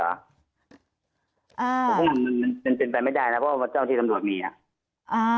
ผมว่ามันเป็นไปไม่ได้นะเพราะว่าเจ้าที่ตำรวจมีอ่ะ